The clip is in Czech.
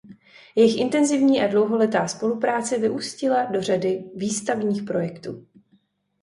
Jejich intenzivní a dlouholetá spolupráce vyústila do řady výstavních projektů.